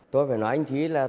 tôi phải nói anh thúy là